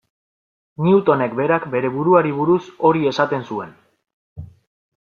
Newtonek berak bere buruari buruz hori esaten zuen.